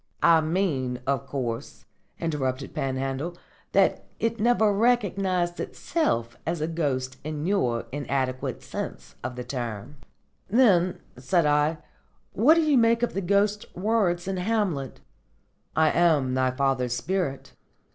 "I mean, of course," interrupted Panhandle, "that it never recognised itself as a ghost in your inadequate sense of the term." "Then," said I, "what do you make of the Ghost's words in Hamlet: 'I am thy father's spirit'?